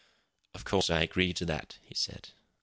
"Of course, I agree to that," he said.